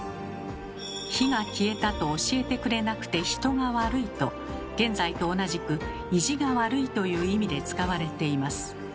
「火が消えたと教えてくれなくて人が悪い」と現在と同じく「意地が悪い」という意味で使われています。